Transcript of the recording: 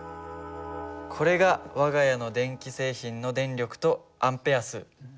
これが我が家の電気製品の電力とＡ数。